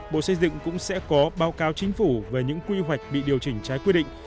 bộ xây dựng cũng sẽ có báo cáo chính phủ về những quy hoạch bị điều chỉnh trái quy định